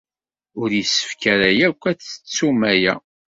Ur yessefk ara akk ad tettum aya.